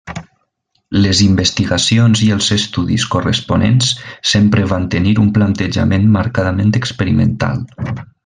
Les investigacions i els estudis corresponents sempre van tenir un plantejament marcadament experimental.